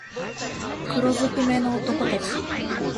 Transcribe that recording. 黒づくめの男たち